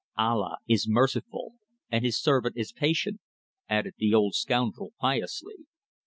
Allah is merciful, and his servant is patient," added the old scoundrel piously.